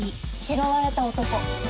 「拾われた男」。